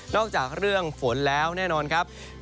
จากเรื่องฝนแล้วแน่นอนครับ